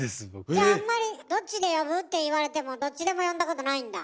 じゃあんまり「どっちで呼ぶ？」って言われてもどっちでも呼んだことないんだ？